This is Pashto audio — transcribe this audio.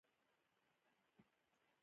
د هر یوه لپاره به لویه برخه او لویه ګټه وي.